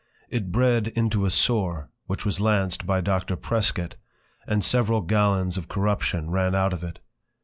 It bred into a Sore, which was launced by Doctor Prescot, and several Gallons of Corruption ran out of it.